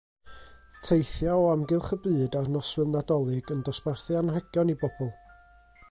Teithia o amgylch y byd ar noswyl Nadolig yn dosbarthu anrhegion i bobl.